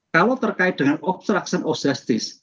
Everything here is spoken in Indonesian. kalau terkait dengan obstruction of justice